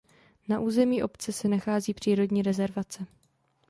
Na území obce se nachází přírodní rezervace.